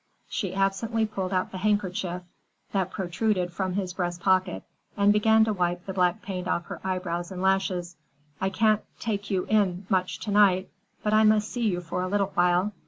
She absently pulled out the handkerchief that protruded from his breast pocket and began to wipe the black paint off her eyebrows and lashes. "I can't take you in much to night, but I must see you for a little while."